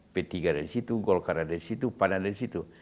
p tiga dari situ golkaran dari situ panan dari situ